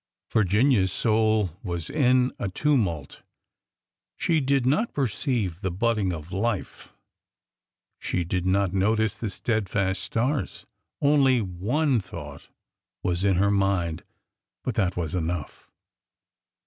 Virginia's soul was in a tumult. She did not perceive the budding of life ; she did not notice the steadfast stars ; only one thought was in her mind, but that was enough.